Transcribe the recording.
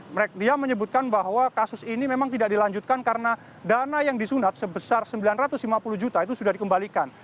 dia menyebutkan bahwa kasus ini memang tidak dilanjutkan karena dana yang disunat sebesar sembilan ratus lima puluh juta itu sudah dikembalikan